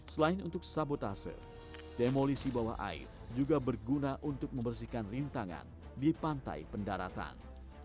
selain untuk sabotase demolisi bawah air juga berguna untuk membersihkan rintangan di pantai pendaratan